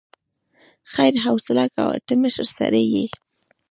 خير حوصله کوه، ته مشر سړی يې.